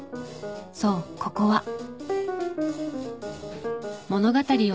そうここは。